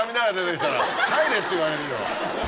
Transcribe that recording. って言われるよ。